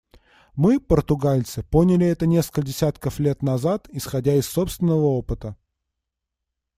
Мы, португальцы, поняли это несколько десятков лет назад, исходя из собственного опыта.